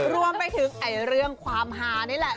รวมไปถึงเรื่องความฮานี่แหละ